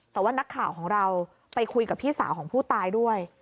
แต่ว่านักข่าวของเราไปคุยกับพี่สาวของผู้ตายด้วย